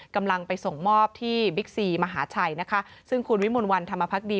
กำลังไปส่งมอบที่บิ๊กซีมหาชัยนะคะซึ่งคุณวิมลวันธรรมพักดี